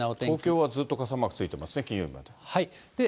東京はずっと傘マークついてますね、金曜日まで。